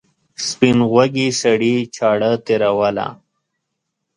سپین غوږي سړي چاړه تېروله.